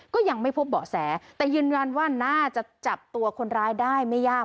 ก็ยังไม่พบเบาะแสแต่ยืนยันว่าน่าจะจับตัวคนร้ายได้ไม่ยาก